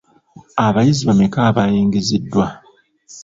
Abayizi bameka abayingiziddwa?